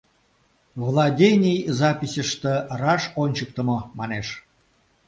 Владений записьыште раш ончыктымо, манеш.